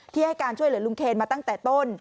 ให้การช่วยเหลือลุงเคนมาตั้งแต่ต้น